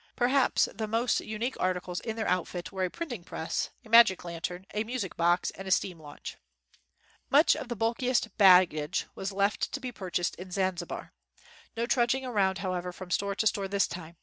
Perhaps the most unique articles in 32 AFTER THE NEWS WAS READ their outfit, were a printing press, a magic lantern, a music box and a steam launch. Much of the bulkiest baggage was left to be purchased in Zanzibar. No trudging around, however, from store to store this time.